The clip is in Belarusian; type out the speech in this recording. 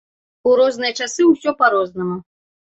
У розныя часы ўсё па-рознаму.